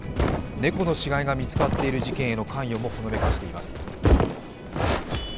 猫の死骸が見つかっている事件への関与もほのめかしています。